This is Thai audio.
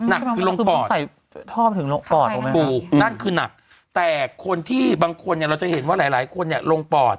อ่าฮะนั่นคือลงปอดถูกนั่นคือนักแต่คนที่บางคนเนี่ยเราจะเห็นว่าหลายคนเนี่ยลงปอด